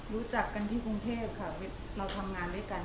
รู้จักกันที่กรุงเทพค่ะเราทำงานด้วยกัน